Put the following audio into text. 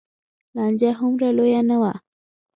لانجه هومره لویه نه وه.